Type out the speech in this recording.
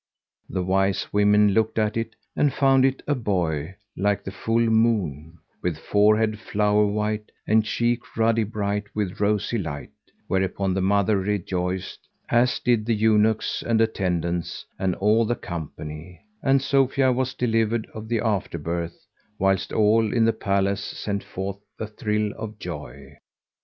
The wise women looked at it and found it a boy like the full moon, with forehead flower white, and cheek ruddy bright with rosy light; whereupon the mother rejoiced, as did the eunuchs and attendants and all the company; and Sophia was delivered of the after birth whilst all in the palace sent forth the trill of joy.